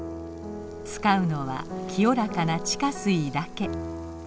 使うのは清らかな地下水だけ。